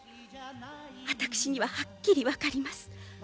私にははっきり分かります。